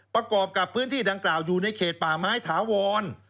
ประกอบกับพื้นที่ดังกล่าวอยู่ในเขตป่าไม้ถาวร